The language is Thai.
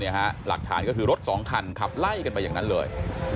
หลักฐานก็คือรถสองคันขับไล่กันไปอย่างนั้นเลย